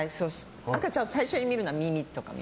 赤ちゃんで最初に見るのは耳。